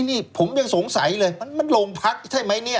นี่ผมยังสงสัยเลยมันโรงพักใช่ไหมเนี่ย